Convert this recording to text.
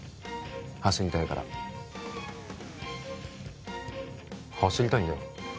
走りたいから走りたいんだよ